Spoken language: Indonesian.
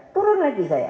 turun lagi saya